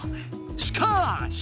しかし！